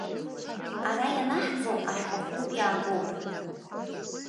Ара ианаҳҵо ашәҟәы аҟнытә иаагоуп.